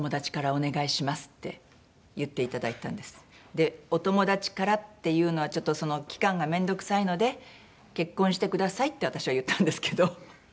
で「お友達からっていうのは期間がめんどくさいので結婚してください」って私は言ったんですけど。